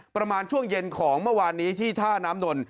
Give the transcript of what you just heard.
ประมาณช่วงเย็นของเมื่อวานนี้ที่ท่าน้ำนนท